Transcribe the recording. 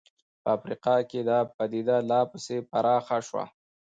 په افریقا کې دا پدیده لا پسې پراخه شوه.